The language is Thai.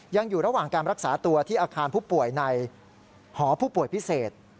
ยังอยู่ระหว่างการรักษาตัวที่อาคารผู้ป่วยในหอผู้ป่วยพิเศษ